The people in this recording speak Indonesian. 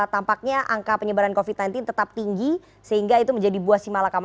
tampaknya angka penyebaran covid sembilan belas tetap tinggi sehingga itu menjadi buah si malakama